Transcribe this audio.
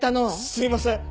すいません！